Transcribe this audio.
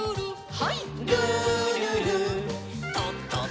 はい。